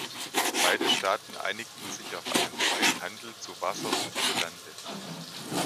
Beide Staaten einigten sich auf einen freien Handel zu Wasser und zu Lande.